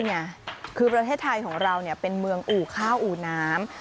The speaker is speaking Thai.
นี่ไงคือประเทศไทยของเราเป็นเมืองอู่ข้าวอู่น้ำ